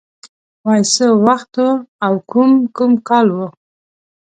وای څه وخت و او کوم کوم کال و